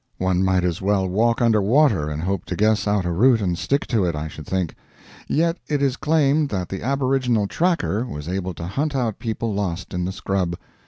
One might as well walk under water and hope to guess out a route and stick to it, I should think. Yet it is claimed that the aboriginal "tracker" was able to hunt out people lost in the scrub.